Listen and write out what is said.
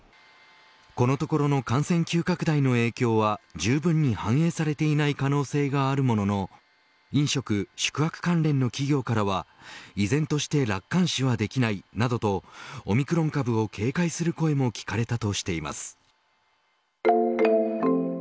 このところの感染急拡大の影響はじゅうぶんに反映されていない可能性があるものの飲食、宿泊関連の企業からは依然として楽観視はできないなどとオミクロン株を警戒する声も聞かれたとしています。